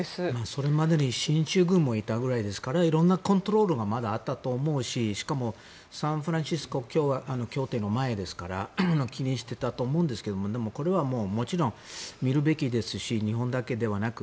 それまでに進駐軍もいたぐらいですからいろんなコントロールがまだあったと思うししかも、サンフランシスコ協定の前ですから気にしていたと思いますがでも、これはもちろん見るべきですし日本だけではなく。